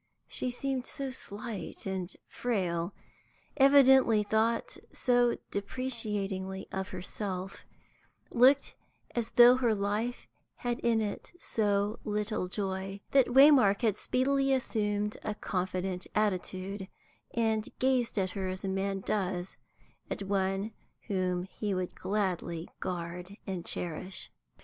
She seemed so slight and frail, evidently thought so depreciatingly of herself, looked as though her life had in it so little joy, that Waymark had speedily assumed a confident attitude, and gazed at her as a man does at one whom he would gladly guard and cherish.